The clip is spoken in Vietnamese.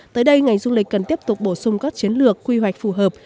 tới đây ngành du lịch cần tiếp tục bổ sung các chiến lược quy hoạch phù hợp